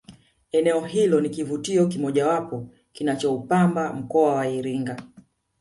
eneo hilo ni kivutio kimojawapo kinachoupamba mkoa wa iringa